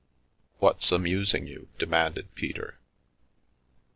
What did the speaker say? " What's amusing you ?" demanded Peter.